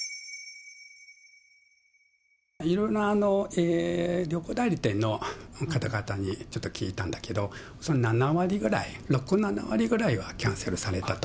いろいろな旅行代理店の方々にちょっと聞いたんだけど、７割ぐらい、６、７割ぐらいはキャンセルされたと。